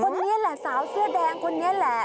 คนนี้แหละสาวเสื้อแดงคนนี้แหละ